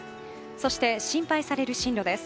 そして心配される進路です。